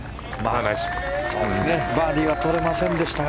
バーディーはとれませんでしたが。